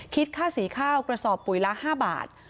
คิดค่าสีข้าวกระสอบปุ๋ยละ๕บาท